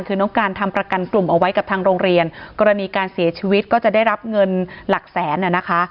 คือน้องการทำประกันกลุ่มเอาไว้กับทางโรงเรียนกรณีการเสียชีวิตก็จะได้รับเงินหลักแสนอ่ะนะคะ